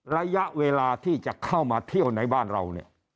ระยะเวลาที่จะเข้ามาเที่ยวในบ้านเราเนี่ย